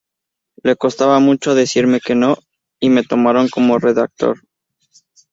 Les costaba mucho decirme que no, y me tomaron como redactor.